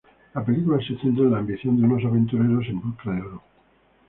La película se centra en la ambición de unos aventureros en busca de oro.